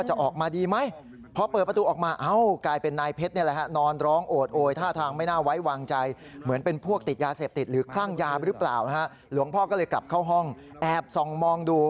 หลวงพ่อก็เลยกลับเข้าห้องแอบส่องมองดู